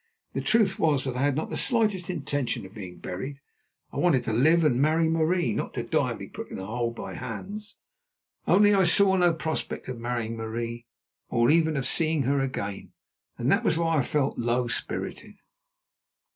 The truth was that I had not the slightest intention of being buried. I wanted to live and marry Marie, not to die and be put in a hole by Hans. Only I saw no prospect of marrying Marie, or even of seeing her again, and that was why I felt low spirited.